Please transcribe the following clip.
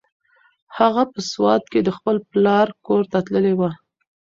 هغه په سوات کې د خپل پلار کور ته تللې وه.